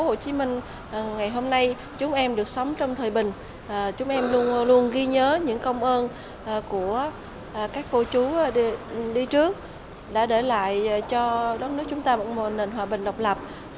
hồ chí minh ngày hôm nay chúng em được sống trong thời bình chúng em luôn luôn ghi nhớ những công ơn của các cô chú đi trước đã để lại cho đất nước chúng ta một nền hòa bình độc lập